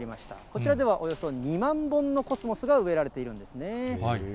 こちらでは、およそ２万本のコスモスが植えられているんですね。